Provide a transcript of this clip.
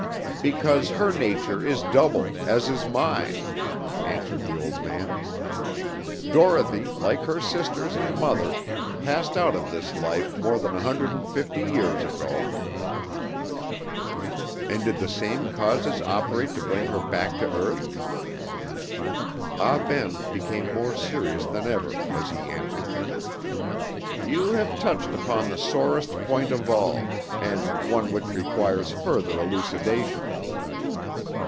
"Because her nature is double, as is mine," answered the old man. "Dorothy, like her sisters and mother, passed out of this life more than a hundred and fifty years ago." "And did the same causes operate to bring her back to earth?" Ah Ben became more serious than ever as he answered: "You have touched upon the sorest point of all, and one which requires further elucidation.